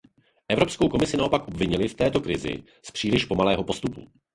Evropskou komisi naopak obvinili v této krizi z příliš pomalého postupu.